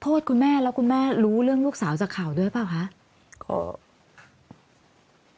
คุณแม่แล้วคุณแม่รู้เรื่องลูกสาวจากข่าวด้วยเปล่าคะ